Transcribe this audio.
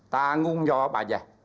tanggung jawab aja